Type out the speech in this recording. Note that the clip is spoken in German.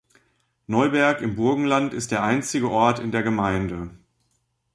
Neuberg im Burgenland ist der einzige Ort in der Gemeinde.